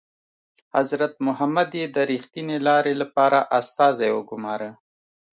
حضرت محمد یې د ریښتینې لارې لپاره استازی وګوماره.